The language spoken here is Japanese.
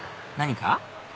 何か？